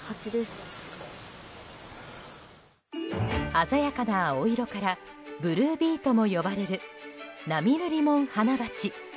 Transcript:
鮮やかな青色からブルービーとも呼ばれるナミルリモンハナバチ。